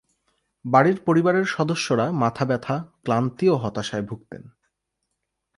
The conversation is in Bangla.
বাড়ির পরিবারের সদস্যরা মাথাব্যথা, ক্লান্তি ও হতাশায় ভূগতেন।